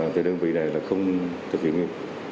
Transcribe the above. thì đơn vị này là không thực hiện nghiêm